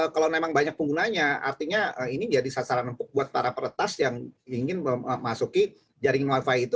kalau memang banyak penggunanya artinya ini jadi sasaran untuk buat para peretas yang ingin memasuki jaring wifi itu